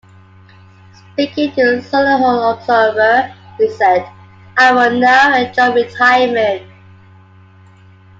Speaking to the "Solihull Observer", he said, "I will now enjoy retirement.